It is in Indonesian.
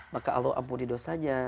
maka allah ampuni dosanya